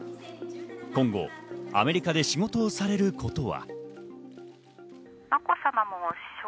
今後アメリカで仕事をされることは。